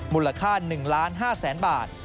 มูลค่า๑๕๐๐๐๐บาท